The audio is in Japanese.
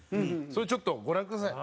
それをちょっとご覧ください。